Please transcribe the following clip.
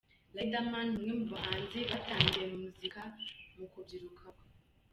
Riderman ni umwe mu bahanzi batangiye muzika mu kubyiruka kwe.